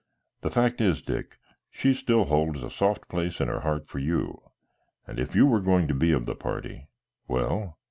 The fact is, Dick, she still holds a soft place in her heart for you, and if you were going to be of the party " "Well?"